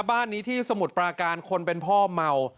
บ้านนี้ที่สมุทรปราการคนเป็นพ่อเมา